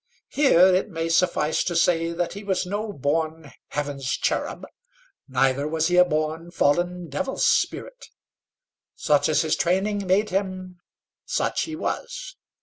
Here it may suffice to say that he was no born heaven's cherub, neither was he a born fallen devil's spirit. Such as his training made him, such he was.